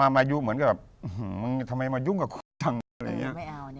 มายุเหมือนกับมึงทำไมมายุ่งกับคุยต่างอะไรอย่างเนี่ย